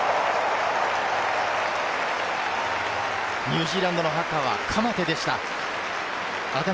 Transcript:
ニュージーランドのハカはカ・マテでした。